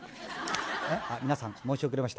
皆さん申し遅れました。